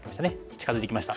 近づいてきました。